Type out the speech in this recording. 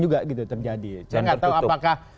juga gitu terjadi saya nggak tahu apakah